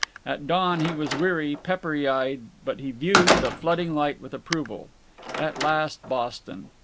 At dawn he was weary, peppery eyed, but he viewed the flooding light with approval. At last, Boston.